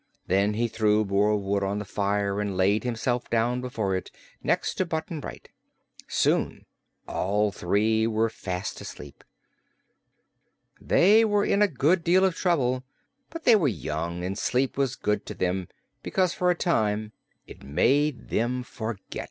Then he threw more wood on the fire and laid himself down before it, next to Button Bright. Soon all three were fast asleep. They were in a good deal of trouble; but they were young, and sleep was good to them because for a time it made them forget.